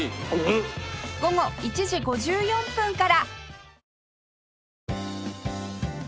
午後１時５４分から